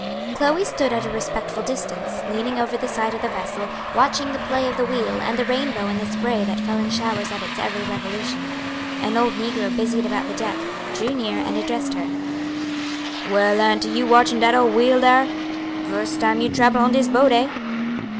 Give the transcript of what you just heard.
Chloe stood at a respectful distance, leaning over the side of the vessel, watching the play of the wheel and the rainbow in the spray that fell in showers at its every revolution. An old negro busied about the deck; drew near and addressed her: "Well, auntie, you watchin' dat ole wheel dar? Fust time you trable on dis boat, eh?"